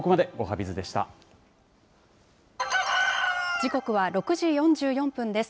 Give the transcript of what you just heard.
時刻は６時４４分です。